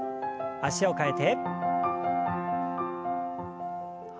脚を替えて。